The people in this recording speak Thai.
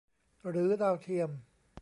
หรือดาวเทียม